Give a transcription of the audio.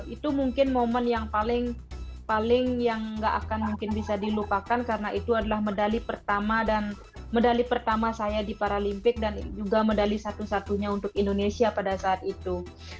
itu mungkin momen yang paling tidak akan bisa dilupakan karena itu adalah medali pertama saya di paralimpik dan juga medali satu satunya untuk indonesia pada saat itu